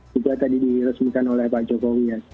dan juga tadi diresmikan oleh pak jokowi ya